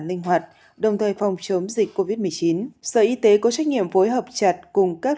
linh hoạt đồng thời phòng chống dịch covid một mươi chín sở y tế có trách nhiệm phối hợp chặt cùng các